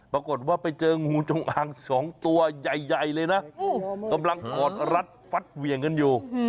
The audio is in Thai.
ปรากฏว่าไปเจองูจงอาง๒ตัวใหญ่เลยนะกำลังถอดรัดฟัดเหวี่ยงกันอยู่